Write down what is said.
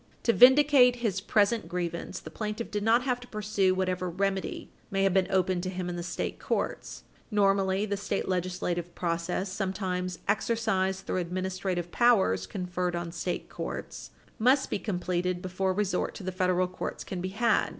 To vindicate his present grievance, the plaintiff did not have to pursue whatever remedy may have been open to him in the state courts. Normally, the state legislative process, sometimes exercised through administrative powers conferred on state courts, must be completed before resort to the federal courts can be had.